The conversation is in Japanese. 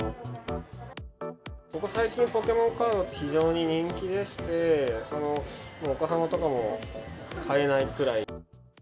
ここ最近、ポケモンカード、非常に人気でして、お子様とかも買えないくらい。